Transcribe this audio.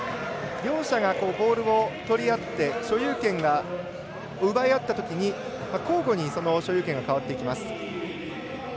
両者がボールを取り合って所有権を奪い合ったときに交互に所有権が変わっていきます。